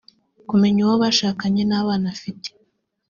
kumenya uwo bashakanye n’abana afite